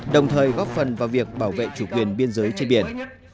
đồng thời góp phần vào việc bảo vệ chủ quyền biên giới trên biển